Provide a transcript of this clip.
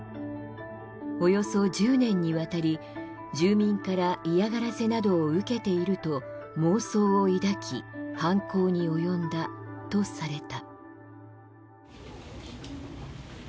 およそ１０年にわたり住民から嫌がらせなどを受けていると妄想を抱き犯行に及んだとされた。